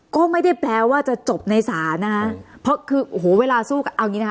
ก็ไม่ได้แปลว่าจะจบในศาลนะคะเพราะคือโอ้โหเวลาสู้กันเอาอย่างงี้นะคะ